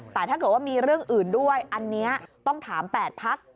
แต่ถ้าเกิดว่ามีเรื่องอื่นด้วยอันนี้ต้องถาม๘พัก